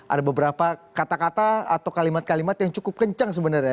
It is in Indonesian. ada beberapa kata kata atau kalimat kalimat yang cukup kencang sebenarnya